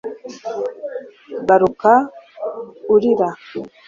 garuka urira